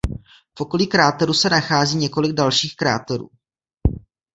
V okolí kráteru se nachází několik dalších kráterů.